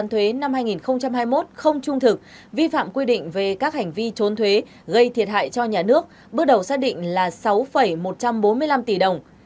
công ty của phần đầu tư vàng phú quý đã kê khai và báo cáo quyết toán thuế năm hai nghìn hai mươi một không trung thực vi phạm quy định về các hành vi trốn thuế gây thiệt hại cho nhà nước bước đầu xác định là sáu một trăm bốn mươi năm tỷ đồng